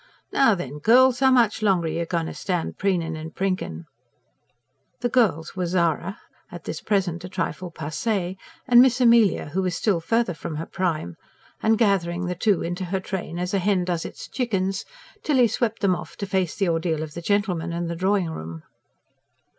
Now then, girls, how much longer are you going to stand preening and prinking?" The "girls" were Zara, at this present a trifle PASSEE, and Miss Amelia, who was still further from her prime; and gathering the two into her train, as a hen does its chickens, Tilly swept them off to face the ordeal of the gentlemen and the drawing room.